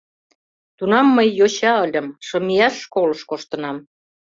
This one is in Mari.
Тунам мый йоча ыльым, шымияш школыш коштынам.